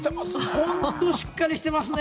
本当、しっかりしてますね。